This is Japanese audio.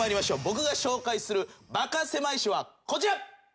僕が紹介するバカせまい史はこちら！